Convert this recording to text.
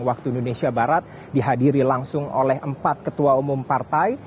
waktu indonesia barat dihadiri langsung oleh empat ketua umum partai